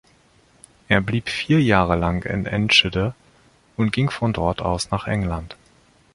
Er blieb vier Jahre in Enschede und ging von dort aus nach England.